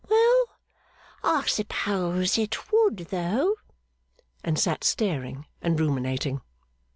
'Well, I suppose it would though.' And sat staring and ruminating.